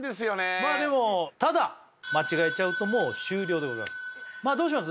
まあでもただ間違えちゃうともう終了でございますどうします？